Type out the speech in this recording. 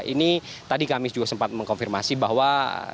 ini tadi kami juga sempat mengkonfirmasi bahwa